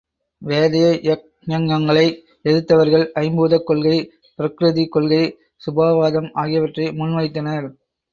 வேதயக்ஞங்களை எதிர்த்தவர்கள், ஐம்பூதக் கொள்கை, பிரக்ருதி கொள்கை, சுபாவவாதம் ஆகியவற்றை முன் வைத்தனர்.